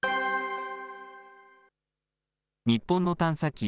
日本の探査機